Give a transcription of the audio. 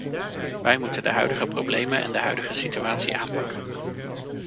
Wij moeten de huidige problemen en de huidige situatie aanpakken.